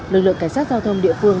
lực lượng cảnh sát giao thông địa phương